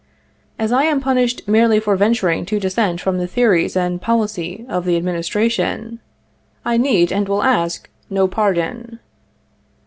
As I am punished merely for venturing to dissent from the theories and policy of the Administration, I need and will ask no pardon.